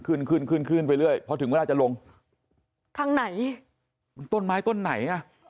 ขึ้นขึ้นขึ้นขึ้นขึ้นไปเรื่อยพอถึงเวลาจะลงทางไหนมันต้นไม้ต้นไหนอ่ะ